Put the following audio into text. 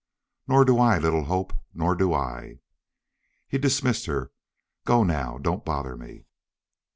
"Nor do I, little Hope. Nor do I." He dismissed her. "Go now. Don't bother me."